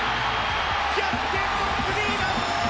逆転のスリーラン！